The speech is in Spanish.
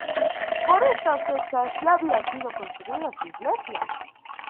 Por estas fechas ya había sido construida su iglesia.